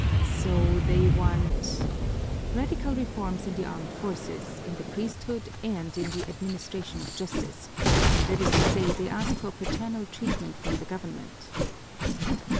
"So they want " "Radical reforms in the armed forces, in the priesthood, and in the administration of justice; that is to say, they ask for paternal treatment from the government."